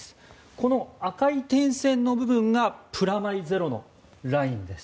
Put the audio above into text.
この赤い点線の部分がプラマイゼロのラインです。